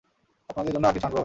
আপনাদের জন্য আর কিছু আনবো?